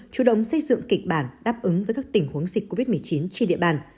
chủ động xây dựng kịch bản đáp ứng với các tình huống dịch covid một mươi chín trên địa bàn